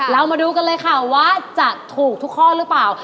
เรามาดูกันเลยค่ะว่าจะถูกทุกข้อหรือเปล่า